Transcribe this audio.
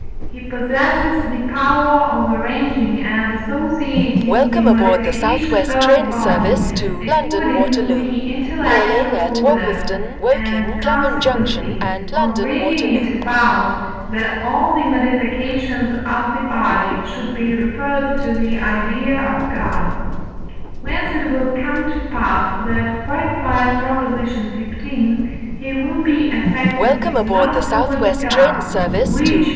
he possesses the power of arranging and associating the modifications of the body according to the intellectual order, and, consequently, of bringing it about, that all the modifications of the body should be referred to the idea of God; whence it will come to pass that (V. xv.) he will be affected with love towards God, which (V.